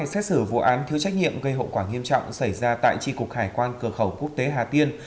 xét xử vụ án thiếu trách nhiệm gây hậu quả nghiêm trọng xảy ra tại tri cục hải quan cửa khẩu quốc tế hà tiên